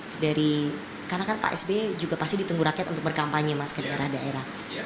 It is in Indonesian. karena kan pak sbe juga pasti ditunggu rakyat untuk berkampanye mas ke daerah daerah